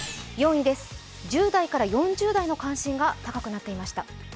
４位です、１０代から４０代の関心が高まっていました。